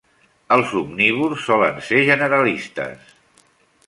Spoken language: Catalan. Els omnívors solen ser generalistes.